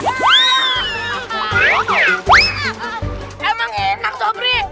emang enak tuh bri